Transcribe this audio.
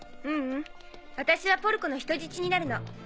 ううん私はポルコの人質になるの。